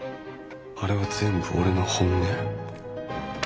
あれは全部俺の本音。